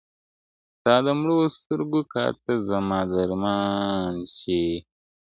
ستا د مړو سترګو کاته زما درمان سي,